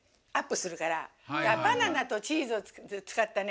だからバナナとチーズをつかったね